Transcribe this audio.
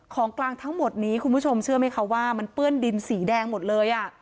ของกลางทั้งหมดนี้คุณผู้ชมเชื่อไหมคะว่ามันเปื้อนดินสีแดงหมดเลยอ่ะ